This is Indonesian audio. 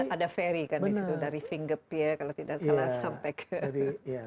ada ferry kan dari fingepir kalau tidak salah